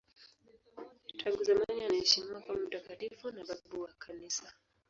Tangu zamani anaheshimiwa kama mtakatifu na babu wa Kanisa.